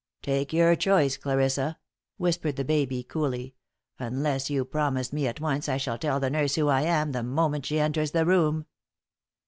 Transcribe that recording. "Take your choice, Clarissa," whispered the baby, coolly. "Unless you promise me at once, I shall tell the nurse who I am, the moment she enters the room."